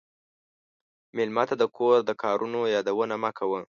مېلمه ته د کور د کارونو یادونه مه کوه.